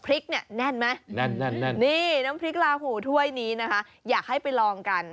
เนี่ยแน่นไหมแน่นนี่น้ำพริกลาหูถ้วยนี้นะคะอยากให้ไปลองกัน